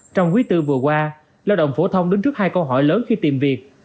trong quý bốn vừa qua lao động phổ thông đứng trước hai câu hỏi lớn khi tìm việc